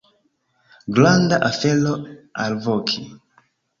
Granda afero alvoki!